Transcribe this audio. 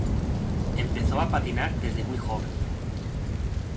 Empezó a patinar desde muy joven.